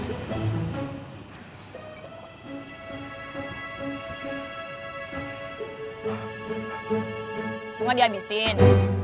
tunggu gak dihabisin